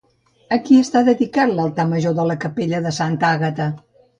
A qui està dedicat l'altar major de la capella de Santa Àgata?